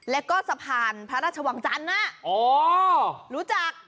แล้วก็สะพานพระราชวังจันทร์รู้จัก